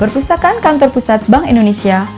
perpustakaan kantor pusat bank indonesia